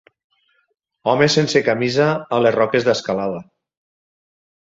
home sense camisa a les roques d'escalada